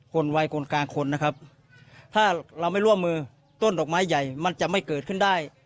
วัยคนกลางคนนะครับถ้าเราไม่ร่วมมือต้นดอกไม้ใหญ่มันจะไม่เกิดขึ้นได้